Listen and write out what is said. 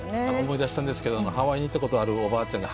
思い出したんですけどハワイに行ったことあるおばあちゃん